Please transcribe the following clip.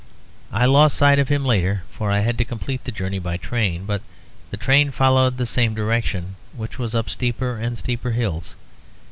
I lost sight of him later, for I had to complete the journey by train; but the train followed the same direction, which was up steeper and steeper hills.